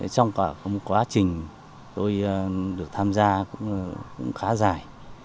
trong quá trình tôi được tham gia cũng khá dài